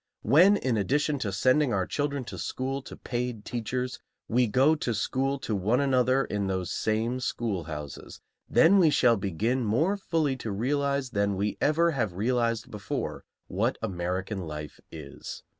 When, in addition to sending our children to school to paid teachers, we go to school to one another in those same schoolhouses, then we shall begin more fully to realize than we ever have realized before what American life is.